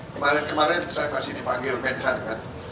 kemarin kemarin saya masih dipanggil menhan kan